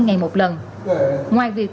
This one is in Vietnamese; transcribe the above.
ngoài việc cắt cơn nghiện